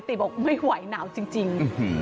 ติบอกไม่ไหวหนาวจริง